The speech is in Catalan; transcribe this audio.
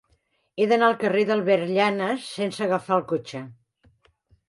He d'anar al carrer d'Albert Llanas sense agafar el cotxe.